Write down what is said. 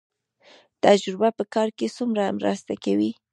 تجربه په کار کې څومره مرسته کوي؟